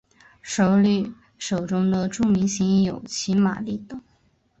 首里手中的著名型有骑马立等。